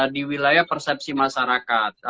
di wilayah persepsi masyarakat